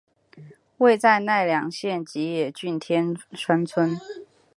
位在奈良县吉野郡天川村。